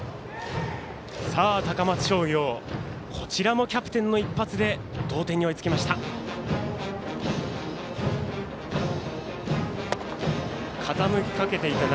高松商業、こちらもキャプテンの一発で同点に追いつきました。